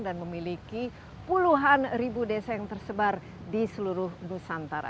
dan memiliki puluhan ribu desa yang tersebar di seluruh nusantara